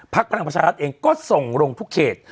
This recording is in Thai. พลังประชารัฐเองก็ส่งลงทุกเขต